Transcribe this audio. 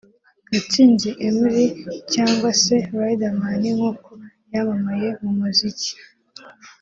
Gatsinzi Emery cyangwa se Riderman nk'uko yamamaye mu muziki